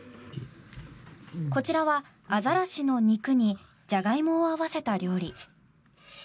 こちらは、アザラシの肉にジャガイモを合わせた料理。